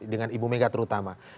dengan ibu mega terutama